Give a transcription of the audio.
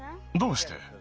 どうして？